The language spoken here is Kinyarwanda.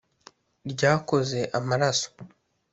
Ryakoze amaraso